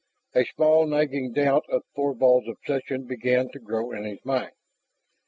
A small nagging doubt of Thorvald's obsession began to grow in his mind.